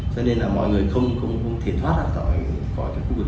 cho nên là mọi người không thể thoát ra khỏi cái khu vực đó